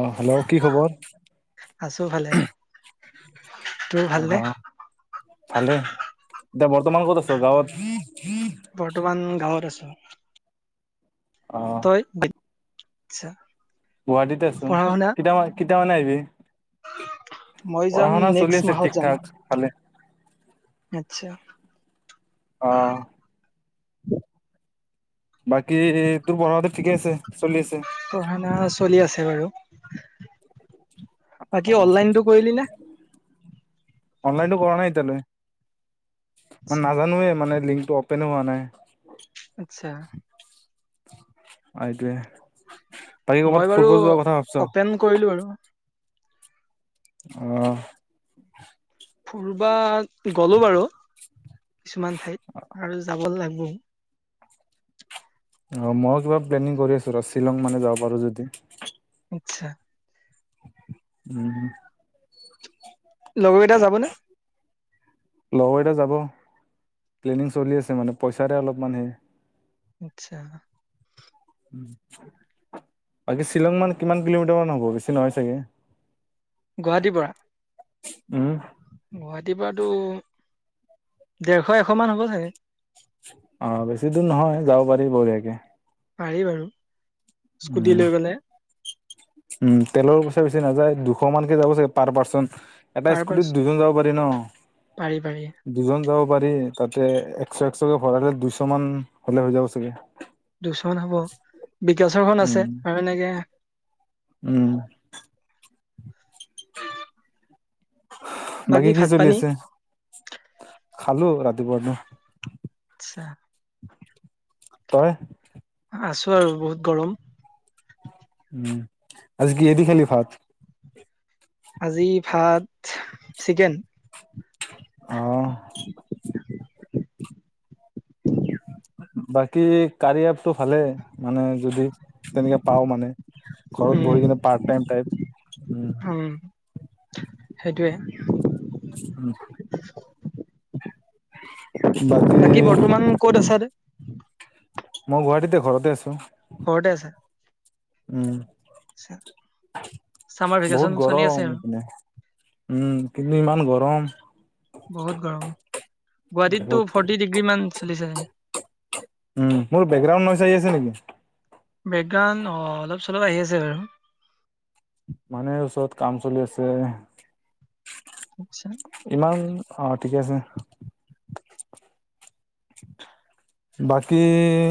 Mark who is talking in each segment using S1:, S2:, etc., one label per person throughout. S1: অহ hello কি খবৰ
S2: আছো ভালে তোৰ
S1: অ
S2: ভাল নে
S1: ভালে এতিয়া বৰ্তমান ক'ত আছ গাঁৱত
S2: বৰ্তমান গাঁৱত আছো
S1: অ
S2: তই আচছা
S1: গুৱাহাটীতে আছো কেইটামান কেইটামানে আহিবি
S2: মই
S1: পঢ়া
S2: যাম
S1: শুনা চলি
S2: নেক্সট
S1: আছে
S2: মাহত
S1: ঠিক
S2: যাম
S1: ঠাক ভালে
S2: আত্ছা
S1: অহ। বাকী তোৰ বৰ হতে ঠিকেই আছে। চলি আছে
S2: পঢ়া শুনা চলি আছে বাৰু।
S1: অ
S2: বাকী অনলাইনটো কৰিলি নে!
S1: অনলাইনতো কৰা নাই এতিয়ালৈ মানে
S2: আচ্ছা
S1: নাজানোৱে মানে লিংকটো অপেন হোৱা নাই।
S2: আচ্ছা
S1: এইটোৱে বাকী
S2: মই
S1: ক'ৰবাত
S2: বাৰু
S1: ফুৰব যোৱাৰ কথা
S2: অপেন কৰিলো আৰু
S1: ভাবছ অহ
S2: ফুুৰবা গলো বাৰু কিছুমান ঠাইত আৰু যাব লাগিব
S1: অ মই কিবা প্লেনিং কৰি আছো ৰ শ্বিলং মানে যাব পাৰো যদি
S2: আচ্ছা
S1: উম
S2: লগৰকেইটা যাবনে
S1: লগৰকেইটা যাব প্লেনিং চলি আছে মানে পইচাতে অলপমান সেই
S2: আচ্ছা
S1: উম বাকী শ্বিলং মান কিমান কিলোমিটাৰ মান হ'ব বেছি নহয় চাগে
S2: গুৱাহাটীৰ পৰা?
S1: উম
S2: গুৱাহাটীৰ পৰাতো দেৰশ, এশ মান হ'ব চাগে।
S1: অ বেছি দূৰ নহয় যাব পাৰি বঢ়িয়াকে।
S2: পাৰি বাৰু স্কুটি
S1: উম
S2: লৈ গ'লে।
S1: উম তেলৰ পইচা বেছি নাযায় দুশ মানকে যাব চাগে পাৰ পাৰ্চন। এটা
S2: পাৰ পাৰ
S1: স্কুটিত দুজন যাব পাৰি
S2: পাৰি পাৰি
S1: ন' দুজন যাব পাৰি। তাতে একশ, একশকে ভৰালে দুইশ মান হ'লে হৈ যাব চাগে।
S2: দুইচ মান হ'ব। বিকাশৰখন আছে আৰু এনেকে-।
S1: উমঁ। বাকী কিঁ
S2: ভাত
S1: চলি
S2: পানী
S1: আছে? খালো ৰাতিপুৱা।
S2: আচ্ছা।
S1: তই?
S2: আছো আৰু বহুত গৰম
S1: আজি কিহে দি খালি ভাত?
S2: আজি ভাত, চিকেন।
S1: অঁ।
S2: [unintelligible]
S1: বাকী কাৰয়া এপটো ভালে মানে যদি তেনেকে পাওঁ মানে। ঘৰত
S2: উম
S1: বহি কিনে পাৰ্ট টাইম টাইপ।
S2: সেইটো।
S1: উমঁ। বাকী
S2: বাকি বৰ্তমান ক'ত আছা?
S1: মই গুৱাহাটীতে ঘৰতে আছো। উমঁ।
S2: ছে।
S1: বহুত গৰম হৈ এইপিনে উমঁ কিন্তু ইমান গৰম।
S2: বহুত গৰম গুৱাহাটীত টো
S1: বহুত
S2: ফৰ্টি ডিগ্ৰী মান চলিছে।
S1: উমঁ মোৰ বেকগ্ৰাউণ্ড ন চাৰি আছে নেকি।
S2: বেকগ্ৰাউণ্ড অঁ অলপ-চলপ আহি আছে বাৰু।
S1: মানহে ওচৰত কাম চলি আছে
S2: আচ্ছা
S1: ইমান। অঁ ঠিকে আছে। বাকী-।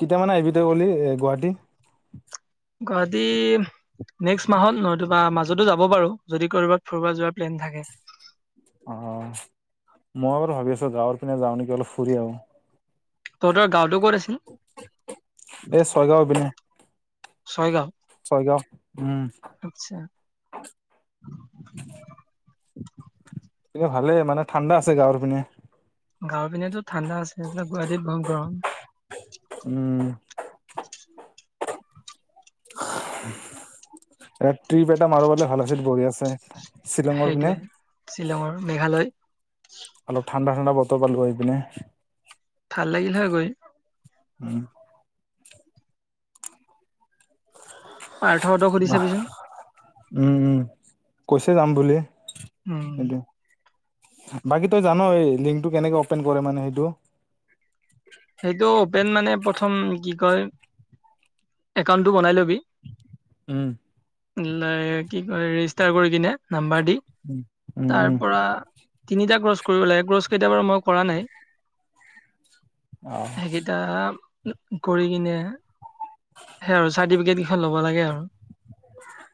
S1: কেতিমানে আহিবি তই এ' গুৱাহাটী?
S2: গাদী নেক্সট মাহত নতোবা মাজতো যাব বাৰু যদি কৰ'বাত ফূৰিব যোৱাৰ প্লেন থাকে।
S1: অঁ। মইও বাৰু ভাবি আছো গাঁৱৰ পিনে যাও নেকি অলপ ফুৰি আহো আৰু।
S2: তহৰত গাঁওখন কোন ফালে?
S1: এ' ছয় গাঁওৰ পিনে।
S2: ছয় গাঁও।
S1: ছয় গাঁও উমঁ।
S2: [unintelligible]
S1: ভালেই মানে ঠাণ্ডা আছে গাঁওৰ পিনে।
S2: গাঁওৰ পিনেতো ঠাণ্ডা আছে এইয়াত টো গুৱাহাটীত বহুত গৰম।
S1: উমঁ। এ' ট্ৰিপ এটা মাৰিবলে ভাল আছিল বৰহিয়াছে। শ্বিলংৰ
S2: সেইটোৱে
S1: পিনে।
S2: শ্বিলঙৰ মেঘালয়
S1: অলপ ঠাণ্ডা ঠাণ্ডা বতৰ পালো হয় সেইপিনে।
S2: ভাল লাগিল হয় গৈ।
S1: উমঁ।
S2: পাৰ্থহঁতক সুধি
S1: উমঁ
S2: চাবিচোন
S1: উমঁ কৈছে যাম বুলি।
S2: উমঁ।
S1: সেইটো বাকী তই জান এই লিংকটো কেনেকে অপেন কৰে মানে সেইটো।
S2: পেন মানে প্ৰথম কি কয় একাউন্টটো বনাই ল'বি।
S1: উম।
S2: কি ক ৰেজিষ্টাৰ কৰি কিনে নাম্বাৰ। তি
S1: উম, উম,
S2: তাৰপৰা তিনিটা কচ। কৰিব লাগে কছ কেইতিয়া বাৰু মই কৰা নাই
S1: অ',
S2: সেইকেইটা। কৰি কিনে সেই আৰু চাৰ্টিফিকেট কেইখন ল'ব লাগে আৰু।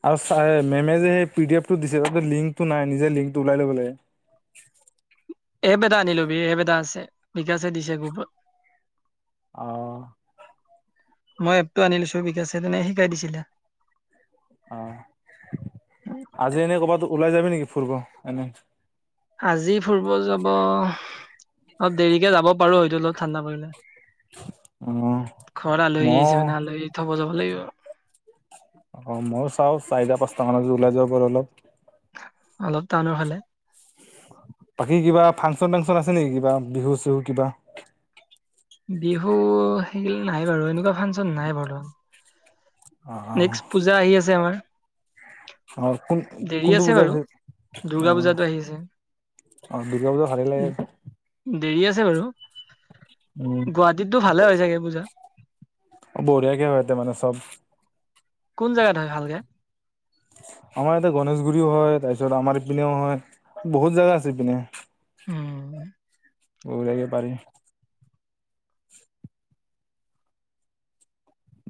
S1: আৰু মেমেজ পিডিএফটো দিছে ত লংকটো নাই নিজে লিংকটো ওলাই ল'ব লাগে।
S2: এপ এটা আনিলবি এপ এটা আছে বিকাশে দিছে গ্ৰুপত
S1: আহ
S2: মই এপটো আনি দিছো বিকাশে তেনে শিকাই দিছিলে।
S1: অ আজি এনে কৰ'বাত ওলাই যাবি নেকি ফুৰিব এনে।
S2: আজি ফুৰিব যাব অলপ দেৰিকে যাব পাৰো হয়তো অলপ ঠাণ্ডা পৰিলে।
S1: অ',
S2: ঘৰ
S1: মই
S2: লহী আহিছে নে আলহী থব যাব লাগিব।
S1: অ ময়ো চাও চাৰিটা পাঁচটা মান ওলাই যাব পাৰু অলপ।
S2: অলপ টানৰ হালে।
S1: বাকী কিবা ফাংচন তাংচন আছে নেকি কিবা বিহু চিহু কিবা।
S2: বিহু সেইল নাই বাৰু এনেকুৱা ফাংচন নাই বৰ্তমান।
S1: অ',
S2: নেক্সট পূজা আহি আছে আমাৰ
S1: আৰু কোন
S2: দেৰি
S1: কন্দু
S2: আছে বাৰু
S1: পূজাইছে
S2: দুৰ্গা পূজাটো আহি আছে।
S1: আহ। অ দুৰ্গা পূজা ভালে লাগে চাই
S2: দেৰি আছে বাৰু
S1: উম।
S2: গুৱাহাটীতটো ভালে হয় চাগে পূজা।
S1: বঢ়িয়াকে হয়তে মানে চব।
S2: কোন জেগাত হয় ভালকে।
S1: আমাৰ ইয়াতে গনেশগুৰিও হয় তাৰপিছত আমাৰ ইপিনেও হয় বহুত জাগা আছে ইপিনে।
S2: উম
S1: [unintelligible] পাৰি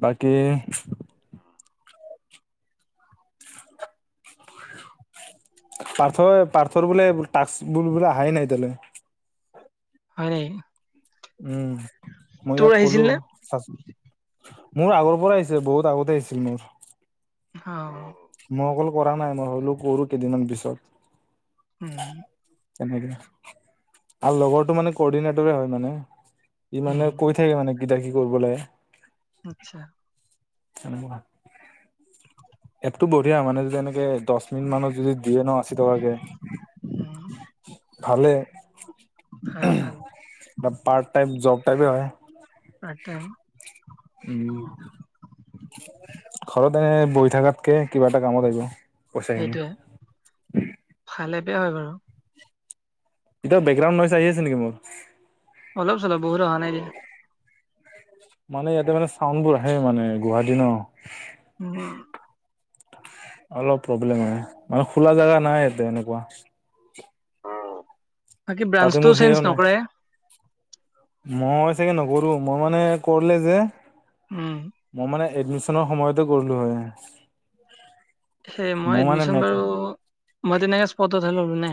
S1: বাকী পাৰ্থ পাৰ্থ বোলে টাক্স বোৰ বোলে অহাই নাই এতিয়ালৈ
S2: হয়‌ নি
S1: উম মই ইয়াক কলো।
S2: নে?
S1: মোৰ আগৰ পৰা আহিছিল বহুত আগতে আহিছিল মোৰ।
S2: হ।
S1: মই অকল কৰা নাই মই হলো কৰো কেইদিনমান পিছত
S2: উম
S1: তেনেকে আৰু লগৰটো মানে কৰ্ডিনেটৰে হয় মানে ই মানে
S2: উম
S1: কৈ থাকে মানে কটা কি কৰিবলৈ।
S2: আচ্ছা
S1: নে এপটো বঢ়িয়া মানে যদি এনেকে দহ মিন মানুহ যদি দিয়ে ন আশী টকাকে
S2: উম
S1: ভালে।
S2: ভাল ভাল।
S1: এ পাৰ্ট টাইম জব টাইপে হয়।
S2: পাৰ্ট টাইম
S1: উম ঘৰত এনে বহি থাকাতকে কিবা এটা কামত আহিব। পইচাখিনি।
S2: সেইটোৱে ভালে বেয়া হয় বাৰু।
S1: এতিয়া বেকগ্ৰাউণ্ড ভইচ আহি আছে নেকি মোৰ।
S2: অলপ চলপ বহুত অহা নাই যে
S1: মানে ইয়াতে মানে চাউন্ডবোৰ আহে মানে গুৱাহাটী ন।
S2: উম
S1: অলপ প্ৰব্লেম হয় মানে খোলা জোগা নাই ইতে এনেকুৱা।
S2: বাকী
S1: তাতে মোৰ
S2: ব্ৰাঞ্চটো
S1: সেও
S2: চেঞ্জ
S1: নাই।
S2: নকৰে?
S1: মই চাগৈ নকৰোঁ মই মানে কৰলে যে
S2: উম
S1: এডমিচনৰ সময়তে কৰিলোঁ হয়।
S2: হে মই
S1: মোৰ মানে
S2: এডমিশ্যন
S1: মেকা
S2: বাৰু মই তেনেকে স্পটতহে ললো নে।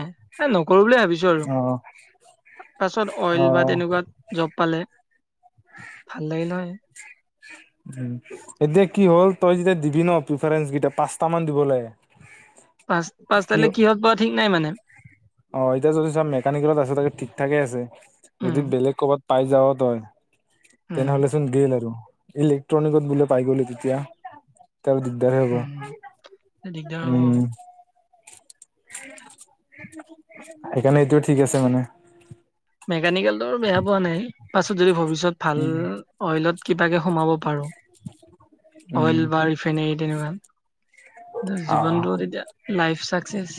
S2: কৰো বুলি ভাবিছো আৰু।
S1: অ
S2: তাৰ পাছত
S1: অ
S2: অইল বা তেনেকুৱাত জব পালে ভাল লাগিলহয়। [unintelligible]
S1: উ এতিয়া কি হ'ল তই যেতিয়া দিবি ন প্ৰিফাৰেঞ্চ কেইটা পাঁচটা মান দিব লাগে।
S2: পাঁচ পাঁচটালৈ কি হওক বা ঠিক নাই মানে।
S1: অ এতিয়া যদি চব মেকানিকেলত আছে তাকে ঠিক ঠাকে আছে যদি
S2: উম
S1: বেলেগ ক'বাত পাই যাৱ তই
S2: উম
S1: তেনেহ'লেচোন গেল আৰু। ইলেক্ট্ৰনিকত বোলে পাই গ'লি তেতিয়া। তেতিয়া হলে দিগদাৰ হব
S2: উম দিগদাৰ হ'ব
S1: উম। সেইকাৰণে এইটো ঠিক আছে মানে।
S2: মেকানিকেলটোৰ বেয়া পোৱা নাই পাছত যদি ভৱিষ্যত ভাল
S1: উম
S2: অইলত কিবাকে সোমাব পাৰো।
S1: [unintelligible] উম
S2: অইল বা ইৰিফেনে। নে
S1: অ
S2: জীৱনটোত এতিয়া লাইফ চাকচেচ।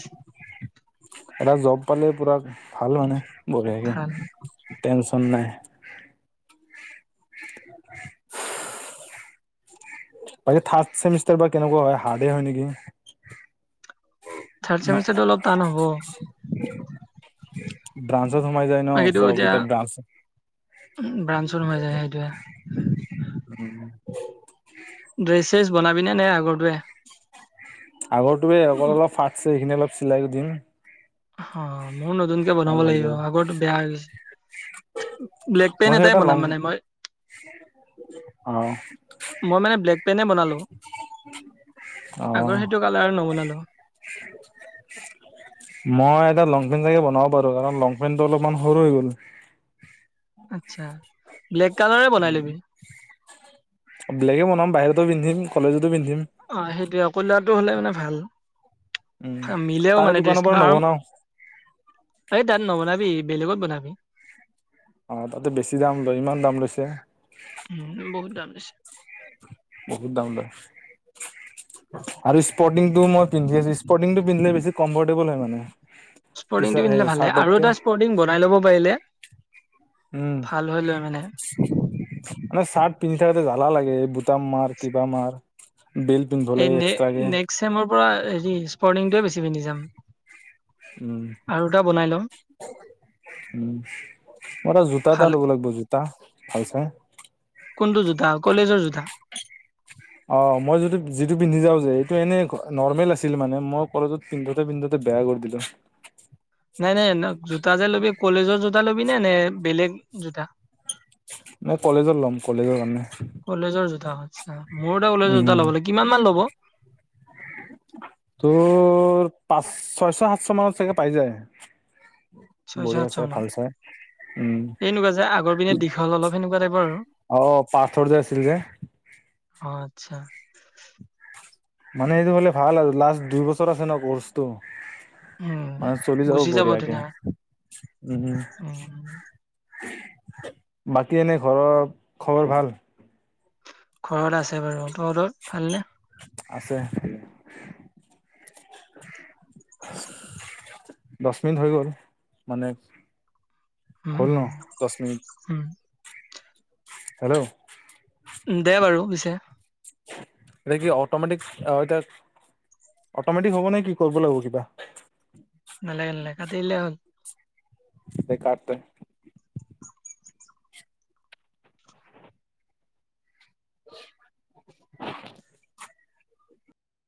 S1: এটা জব পালে পুৰা ভাল মানে বঢ়াকে
S2: ভাল
S1: টেনচন নাই। [unintelligible] বাকী থাৰ্ড চেমিষ্টাৰ বা কেনেকুৱা হয় হাৰ্ডে হয় নেকি।
S2: থাৰ চমিচাৰটো অলপ টান হ'ব।
S1: ব্ৰানঞ্চত সোমাই যায় ন
S2: বাকীতো এতিয়া
S1: চবকিতাপ ব্ৰাঞ্চ।
S2: ম হৈ যায় সেইটোৱে।
S1: উম।
S2: ড্ৰেছেছ বনাবিনে নে আগৰটোৱে।
S1: আগৰ তো বে অকল অলপ ফাটছে সখিনি অলপ চিলাই দিম।
S2: অ মোৰ নতুনকে বনাব
S1: আৰু হৈ
S2: লাগিব
S1: যাব
S2: আগতে বেয়া হৈ গৈছে। ব্লেক পেন
S1: মই চাগে
S2: এটাই
S1: এটা লং
S2: বনাম মানে মই।
S1: অ
S2: মই মানে ব্লেক পেনে বনালো আগৰ
S1: অ
S2: সেইটো। কাল আৰু নবনালো।
S1: মই এটা লং পেণ্ট জাগে বনাব পাৰো কাৰণ লং পেন্টটো অলপমান সৰু হৈ গ'ল।
S2: আচ্ছা ব্লেক কালাৰ বনাই লবি।
S1: বেলেগে বনাম বাহিৰতো পিন্ধিম কলেজত।
S2: অ সেইটোয়ে কইলাটো হলে মানে ভাল।
S1: উম
S2: মিলেও
S1: তাৰে
S2: মানে
S1: দোকানৰ
S2: ড্ৰেছটো
S1: পৰা
S2: আৰু
S1: নবনাও
S2: এই তাত নবনাবি। বেলেগত বনাবি।
S1: আহ তাতে বেছি দাম লয় ইমান দাম লৈছে।
S2: উম বহুত দাম লৈছে।
S1: বহুত দাম লয় আৰু স্পৰ্টিংটো মই পিন্ধি আছো। স্পৰ্টিটো পিন্ধিলে বেছ কমফৰ্টেবল হয়ানে।
S2: স্পৰ্ডিংটো পিন্ধিলে ভালে আৰু এটা স্পৰ্টিং বনাই লব পাৰিলে।
S1: উম
S2: ভাল হৈ লৈ মানে।
S1: মানে চাৰ্ট পিন্ধাতে জ্বালা লাগে এই বুটাম মাৰ কিবা মাৰ। বেল্ট পিন্ধিব
S2: এই
S1: লাগে এক্সট্ৰাকে
S2: নেক্স চমৰ পৰা হেৰি স্পৰ্ণংটোৱে বেছি পিন্ধি যাম।
S1: উম
S2: আৰু এটা বনাই লম।
S1: উম মোৰ এটা জোতা
S2: ভাল
S1: এটা লব লাগিব জোতা পাইছোই।
S2: কোনটো জোতা কলেজৰ জোতা।
S1: অ মই যটো যিটো পিন্ধি যাও যে এইটো এনে নৰ্মেল আছিল মানে মই কলেজত পিন্ধোতে পিন্ধতে। বেয়া কৰি দিলো।
S2: [unintelligible] নাই নাই জোতা যে ল'বি কলেজৰ জোতা ল'বি নে নে বেলেগ জোতা।
S1: মই কলেজত লম কলেজৰ কাৰণে।
S2: কলেজৰ জোতা আচ্ছা মোৰ এটা ওলাইছো দুটা ল'বলৈ কিমান ল'ব।
S1: [inaudible] তোৰ পাঁচ ছয়শ সাতশ মানত চাগে পাই যায়।
S2: ছয়শ
S1: বঢ়িয়া
S2: সাতশ
S1: চাই ভাল
S2: মানত
S1: চাই। উম
S2: এনেকুৱা যে আগৰ পিনে দীঘল অলপ সেনেকুৱা টাইপৰ আৰু।
S1: অ পাথৰ যে আছিল যে
S2: অ আচ্ছা।
S1: মানে সটো হলে ভাল আৰু লাষ্ট দুই বছৰ আছে ন কৰ্চটো
S2: উম
S1: মানে চলি যাব
S2: গুচি
S1: বঢ়ীয়াকে
S2: ধুনীয়া
S1: উম
S2: উম
S1: বাকী এনে ঘৰ খবৰ ভাল।
S2: ঘৰত আছে বাৰু তহঁতৰ ভালনে
S1: আছে। দহ মিনিট হৈ গ'ল মানে।
S2: উম
S1: হ'ল ন দহ মিনিট।
S2: উম
S1: হেল্ল'
S2: দে বাৰু পিছে
S1: এতিয়া কি অটমেটিক এতিয়া অটমেটিক হ'ব নে কি কৰিব লাগিব কিবা।
S2: নালাগে নালাগে কাতি দিলে হল।
S1: বেকাৰতে [unintelligible]